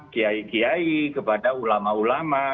kiai kiai kepada ulama ulama